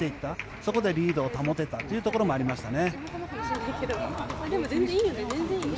そこでリードを保てたところもありましたね。